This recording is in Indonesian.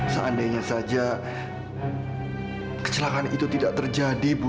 seandainya saja kecelakaan itu tidak terjadi bu